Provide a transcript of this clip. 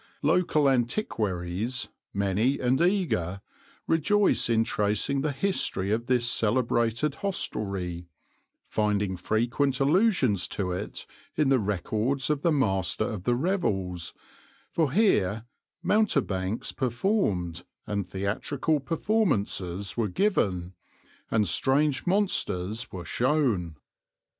Local antiquaries, many and eager, rejoice in tracing the history of this celebrated hostelry, finding frequent allusions to it in the records of the Master of the Revels, for here mountebanks performed, and theatrical performances were given, and strange monsters were shown.